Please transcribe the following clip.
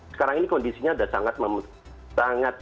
sekarang ini kondisinya sudah sangat